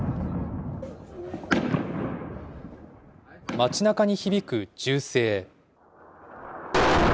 街なかに響く銃声。